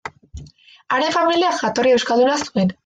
Haren familiak jatorri euskalduna zuen.